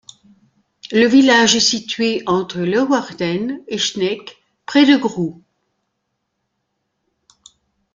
Le village est situé entre Leeuwarden et Sneek, près de Grou.